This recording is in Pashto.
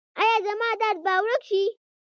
ایا زما درد به ورک شي؟